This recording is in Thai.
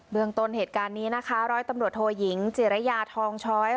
เมืองต้นเหตุการณ์นี้นะคะร้อยตำรวจโทยิงจิรยาทองช้อย